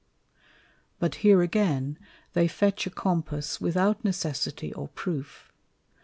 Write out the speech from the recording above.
But here again they fetch a Compass without necessity or proof.